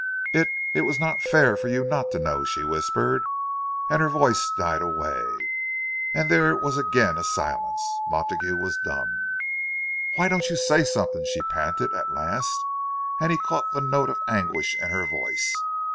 "It—it was not fair for you not to know," she whispered. And her voice died away, and there was again a silence. Montague was dumb. "Why don't you say something?" she panted, at last; and he caught the note of anguish in her voice.